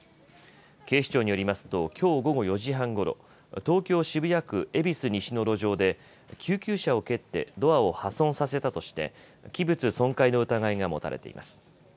警視庁によりますときょう午後４時半ごろ、東京渋谷区恵比寿西の路上で救急車を蹴ってドアを破損させたとして器物損壊の疑いが持たれています。